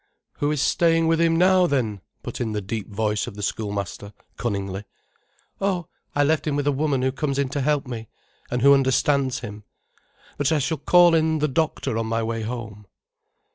"Who is staying with him now, then?" put in the deep voice of the schoolmaster, cunningly. "Oh, I left him with a woman who comes in to help me—and who understands him. But I shall call in the doctor on my way home."